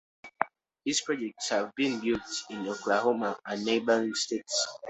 His projects have been built in Oklahoma and neighboring states.